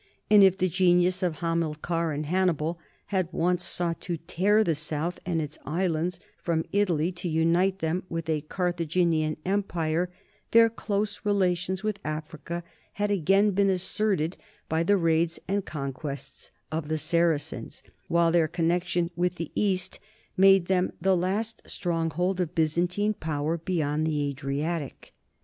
And if the genius of Hamilcar and Hannibal had once sought to tear the south and its islands from Italy to unite them with a Carthaginian empire, their close relations with Africa had again been asserted by the raids and conquests of the Saracens, while their connection with the East made them the last stronghold of Byzantine power beyond the Adriatic.